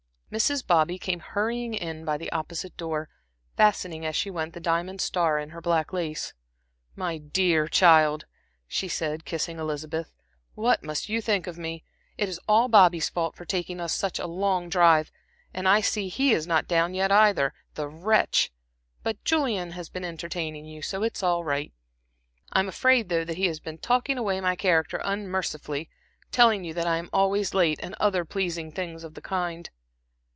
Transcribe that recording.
Mrs. Bobby came hurrying in by the opposite door, fastening as she went the diamond star in her black lace. "My dear child," she said, kissing Elizabeth, "what must you think of me! It is all Bobby's fault for taking us such a long drive, and I see he is not down yet either, the wretch! But Julian has been entertaining you, so it is all right. I'm afraid though that he has been taking away my character unmercifully, telling you that I am always late, and other pleasing things of the kind."